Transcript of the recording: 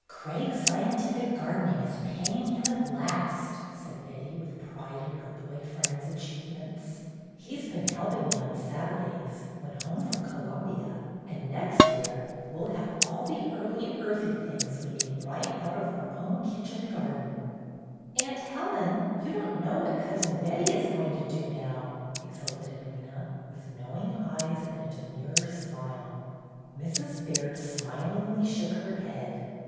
"Craig's scientific gardening is paying him at last," said Betty, with pride in her boy friend's achievements. "He's been helping me on Saturdays, when home from Columbia, and next year we'll have all the early earthy things we need right out of our own kitchen garden." 12 BETTY BAIRD'S GOLDEN YEAR ''Aunt Helen, you don't know what Cousin Betty is going to do now," exulted Edwyna, with knowing eyes and a demure smile. Mrs. Baird smilingly shook her head.